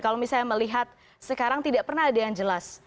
kalau misalnya melihat sekarang tidak pernah ada yang jelas